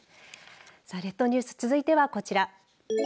さあ、列島ニュース続いてはこちら。